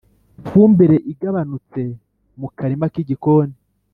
ifumbire igabanutse mu karima k’igikoni,